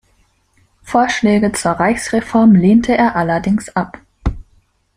Vorschläge zur Reichsreform lehnte er allerdings ab.